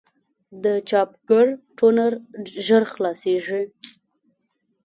د چاپګر ټونر ژر خلاصېږي.